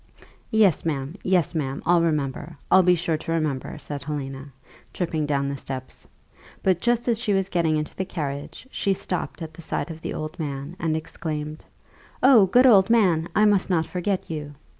"Yes, ma'am; yes, ma'am, I'll remember; I'll be sure to remember," said Helena, tripping down the steps. But just as she was getting into the carriage she stopped at the sight of the old man, and exclaimed, "Oh, good old man! I must not forget you."